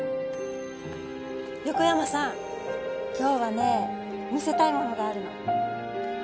横山さん、今日はね、見せたいものがあるの。